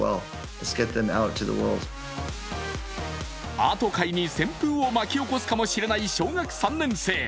アート界に旋風を巻き起こすかもしれない小学３年生。